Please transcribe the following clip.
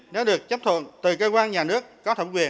nếu được chấp thuận từ cơ quan nhà nước có thẩm quyền